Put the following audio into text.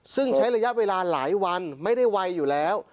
ซึ่งใช้ระยะเวลาหลายวันไม่ได้ไวอยู่แล้ว